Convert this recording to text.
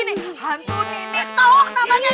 hantu nini toh namanya ini